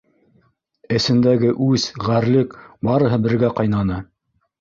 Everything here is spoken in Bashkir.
Эсендәге үс, ғәрлек — барыһы бергә ҡайнаны.